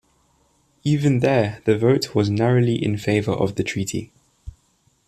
Even there the vote was narrowly in favour of the treaty.